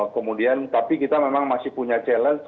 kemudian tapi kita memang masih punya challenge